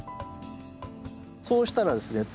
そうしたらですね